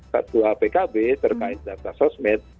satu apkb terkait data sosmed